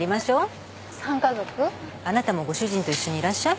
あなたもご主人と一緒にいらっしゃい。